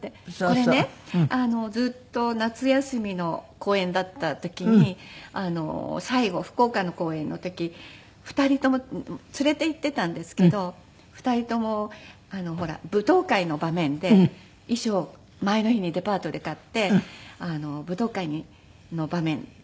これねずっと夏休みの公演だった時に最後福岡の公演の時２人とも連れて行っていたんですけど２人ともほら舞踏会の場面で衣装前の日にデパートで買って舞踏会の場面出させてもらったんです。